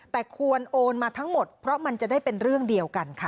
แต่ควรโอนมาทั้งหมดเพราะมันจะได้เป็นเรื่องเดียวกันค่ะ